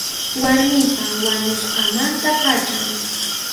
Warmiypa wañusqanmanta pacham.